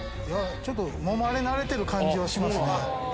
ちょっと、もまれ慣れてる感じはしますね。